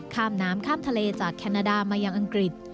ข้ามน้ำข้ามทะเลจากแคนาดามายังอังกฤษ